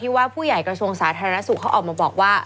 ว่าผู้ใหญ่กระทรวงสาธารณสุขเขาออกมาบอกว่า